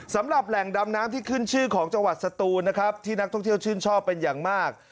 สำหรับแหล่งดำน้ำที่ขึ้นชื่อของจังหวัดสตูนนะครับที่นักท่องเที่ยวชื่นชอบเป็นอย่างมาก